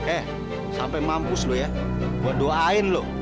eh sampai mampus lu ya gua doain lu